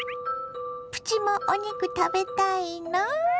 プチもお肉食べたいの？